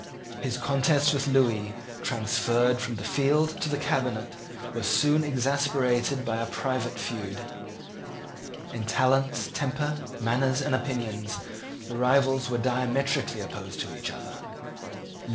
His contest with Lewis, transferred from the field to the cabinet, was soon exasperated by a private feud. In talents, temper, manners and opinions, the rivals were diametrically opposed to each other.